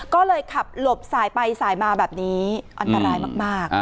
ก็เลยขับหลบสายไปสายมาแบบนี้อันตรายมาก